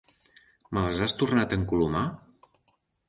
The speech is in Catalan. Me les has tornat a encolomar?